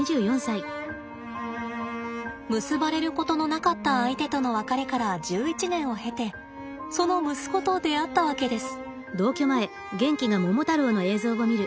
結ばれることのなかった相手との別れから１１年を経てその息子と出会ったわけです。